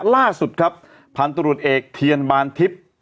ล่าสุดครับพันธุรกิจเอกเทียนบานทิพย์